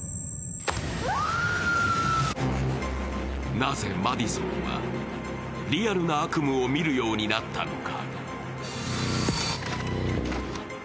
なぜ、マディソンはリアルな悪夢を見るようになったのか。